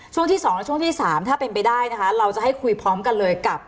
ช่วงที่๒และช่วงที่๓ถ้าเป็นไปได้นะคะเราจะให้คุยพร้อมกันเลยกับ